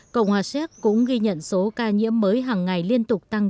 cộng hòa séc cũng ghi nhận số ca nhiễm mới hàng ngày liên tục tăng